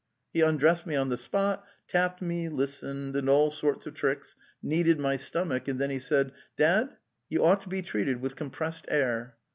He undressed me on the spot, tapped me, listened, and all sorts of tricks, ... kneaded my stomach, and then he said, ' Dad, you ought to be treated with compressed air.